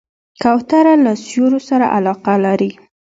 کوتره له سیوریو سره علاقه لري.